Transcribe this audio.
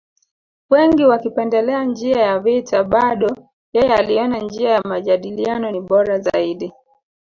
Wengi wakipendelea njia ya vita bado yeye aliona njia ya majadiliano ni bora zaidi